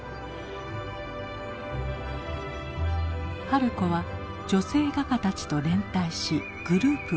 春子は女性画家たちと連帯しグループを作る。